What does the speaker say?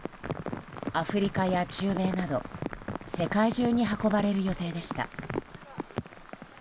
アフリカや中米など世界中に運ばれる予定でした。